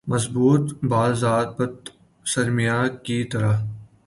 مضبوط باضابطہ سرمایہ کی طرح